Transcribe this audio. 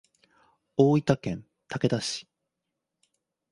大分県竹田市